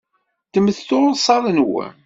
Ddmet tursaḍ-nwen.